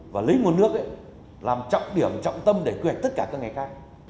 và lấy nguồn nước làm trọng điểm trọng tâm để quy hoạch tất cả các ngành khác